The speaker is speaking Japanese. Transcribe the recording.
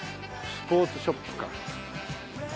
スポーツショップか。